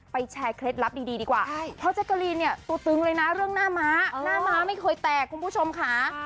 แชร์เคล็ดลับดีดีกว่าเพราะแจ๊กกะลีนเนี่ยตัวตึงเลยนะเรื่องหน้าม้าหน้าม้าไม่เคยแตกคุณผู้ชมค่ะ